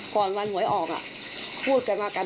ก่อนวันหวยออกพูดกันมากัน